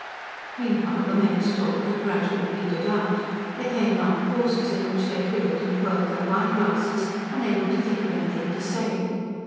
Meanwhile the men's talk had gradually petered out: there came long pauses in which they twiddled and twirled their wine glasses, unable to think of anything to say.